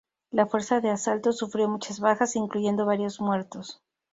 La fuerza de asalto sufrió muchas bajas, incluyendo varios muertos.